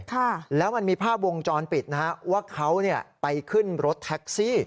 ค่ะแล้วมันมีภาพวงจรปิดนะฮะว่าเขาเนี่ยไปขึ้นรถแท็กซี่